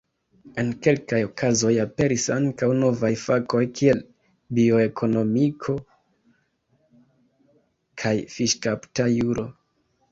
En kelkaj okazoj aperis ankaŭ novaj fakoj kiel bioekonomiko kaj fiŝkapta juro.